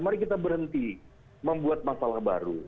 mari kita berhenti membuat masalah baru